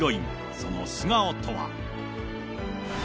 その素顔とは。